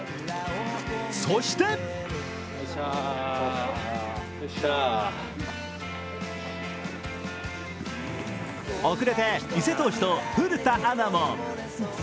そして遅れて伊勢投手お古田アナも。